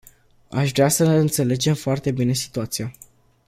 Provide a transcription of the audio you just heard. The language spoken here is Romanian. Aș vrea să înțelegem foarte bine situația.